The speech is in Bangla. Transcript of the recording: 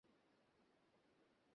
এই ব্যাটা, কোড রেড বলেছি না?